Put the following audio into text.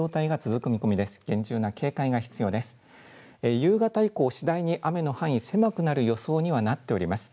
夕方以降、次第に雨の範囲、狭くなる予想にはなっております。